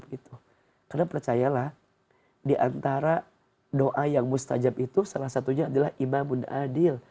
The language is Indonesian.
karena percayalah diantara doa yang mustajab itu salah satunya adalah imamun adil